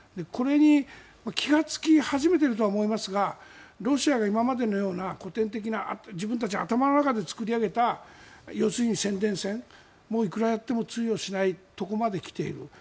これに気がつき始めているとは思いますがロシアが今までのような古典的な自分たちの頭の中で作り上げた要するに宣伝戦をいくらやっても通用しないところまで来ている。